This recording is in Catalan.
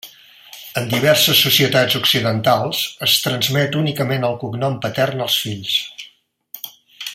En diverses societats occidentals, es transmet únicament el cognom patern als fills.